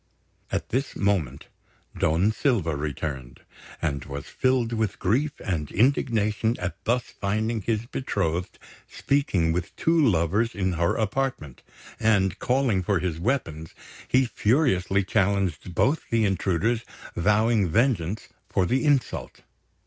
At this moment Don Silva returned, and was filled with grief and indignation at thus finding his betrothed speaking with two lovers in her apartment; and, calling for his weapons, he furiously challenged both the intruders, vowing vengeance for the insult.